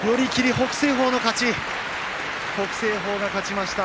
北青鵬が勝ちました。